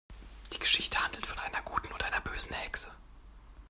Die Geschichte handelt von einer guten und einer bösen Hexe.